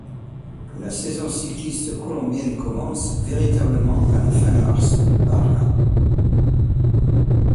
La saison cycliste colombienne commence, véritablement, à la fin mars, par la '.